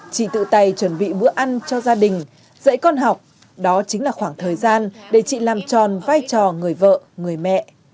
chị tự tay chuẩn bị bữa ăn cho gia đình dạy con học đó chính là khoảng thời gian để chị làm tròn vai trò người vợ người mẹ